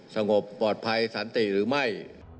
สงบปลอดภัยสันติหรือไม่